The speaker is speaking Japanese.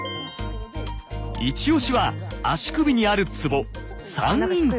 イチオシは足首にあるツボ三陰交。